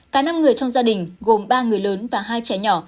cả năm người trong gia đình gồm ba người lớn và hai trẻ nhỏ